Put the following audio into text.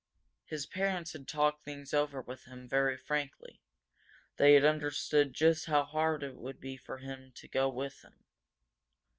His parents had talked things over with him very frankly. They had understood just how hard it would be for him to go with them.